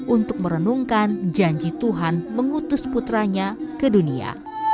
untuk merenungkan janji tuhan mengutus putranya ke dunia